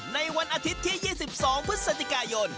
ในวันอาทิตย์ที่๒๒พฤศจิกายน